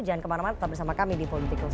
jangan kemana mana tetap bersama kami di politikals